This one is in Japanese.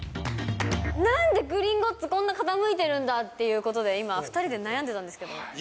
なんでグリンゴッツ、こんな傾いているんだっていうことで、今、２人で悩んでたんですけど。